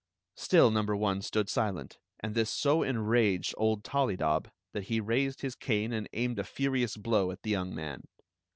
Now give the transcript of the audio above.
Still number one stood silent, and this so enraged old Tollydob that he raised his cane and aimed a furious blow at the young man.